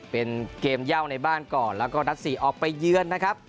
เป็นเกมเย่าในบ้านก่อนแล้วก็นัด๔ออกไปเยือนนะครับ